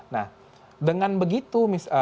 nah dengan begitu